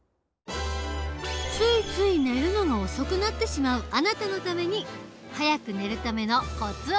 ついつい寝るのが遅くなってしまうあなたのために早く寝るためのコツを伝授。